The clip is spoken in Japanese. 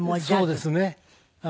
そうですね。